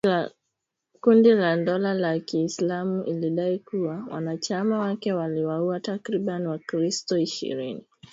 Kundi la dola ya Kiislamu ilidai kuwa wanachama wake waliwauwa takribani wakristo ishirini